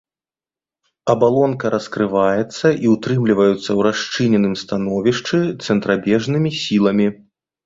Абалонка раскрываецца і ўтрымліваецца ў расчыненым становішчы цэнтрабежнымі сіламі.